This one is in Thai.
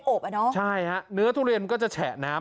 อบอ่ะเนอะใช่ฮะเนื้อทุเรียนมันก็จะแฉะน้ำ